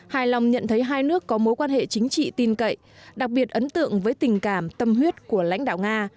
hài lòng nhận thấy hai nước có mối quan hệ chính trị tin cậy đặc biệt ấn tượng với tình cảm tâm huyết của lãnh đạo nga